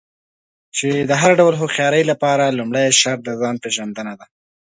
چې د هر ډول هوښيارۍ لپاره لومړی شرط د ځان پېژندنه ده.